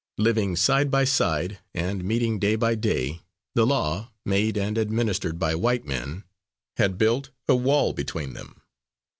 Living side by side, and meeting day by day, the law, made and administered by white men, had built a wall between them.